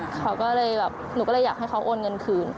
เขาก็เลยแบบหนูก็เลยอยากให้เขาโอนเงินคืน